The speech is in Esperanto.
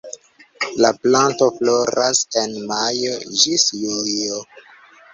La planto floras en majo ĝis julio.